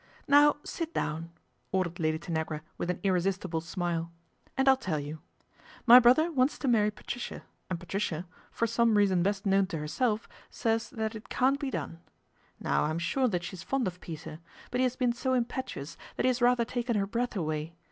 "Now sit down," ordered Lady Tanagra with an irresistible smile, " and I'll tell you. My brother wants to marry Patricia, and Patricia, MR. TRIGGS TAKES TEA 211 for some reason best known to herself, says that it can't be done. Now I'm sure that she is fond of Peter ; but he has been so impetuous that he has rather taken her breath away.